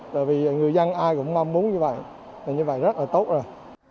tại vì người dân ai cũng mong muốn như vậy là như vậy rất là tốt rồi